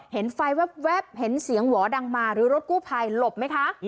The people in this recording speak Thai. เห็นไฟแว๊บเห็นเสียงหวอดังมาหรือรถกู้ภัยหลบไหมคะ